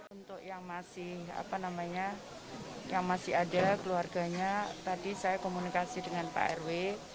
untuk yang masih ada keluarganya tadi saya komunikasi dengan pak rw